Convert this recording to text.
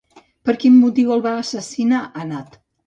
Per quin motiu el va assassinar Anat?